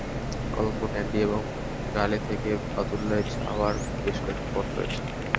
কলম্বো, ক্যান্ডি এবং গালে থেকে বাদুল্লায় যাওয়ার বেশ কয়েকটি পথ রয়েছে।